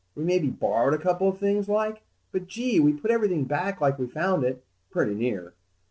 We maybe borrowed a couple of things, like. But, gee, we put everything back like we found it, pretty near.